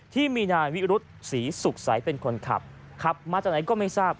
ที่มีนายวิรุธศรีสุขใสเป็นคนขับขับมาจากไหนก็ไม่ทราบ